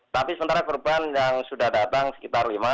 tapi sementara korban yang sudah datang sekitar lima